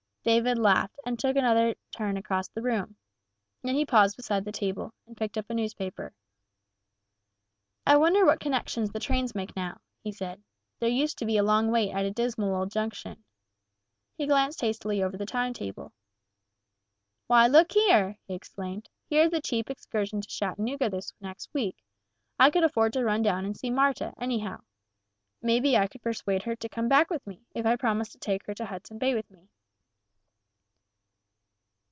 David laughed, and took another turn across the room. Then he paused beside the table, and picked up a newspaper. "I wonder what connections the trains make now," he said. "There used to be a long wait at a dismal old junction." He glanced hastily over the time table. "Why, look here!" he exclaimed. "Here is a cheap excursion to Chattanooga this next week. I could afford to run down and see Marta, anyhow. Maybe I could persuade her to come back with me, if I promised to take her to Hudson Bay with me."